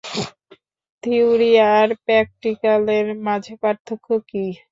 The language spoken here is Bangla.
থিওরি আর প্র্যাকটিক্যালের মাঝে পার্থক্য আছে।